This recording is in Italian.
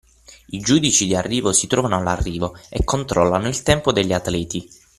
I giudici di arrivo si trovano all’arrivo e controllano il tempo degli atleti